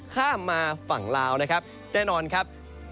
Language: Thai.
ข้ามมาฝั่งลาวนะครับแน่นอนครับ